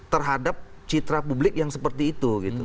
terhadap citra publik yang seperti itu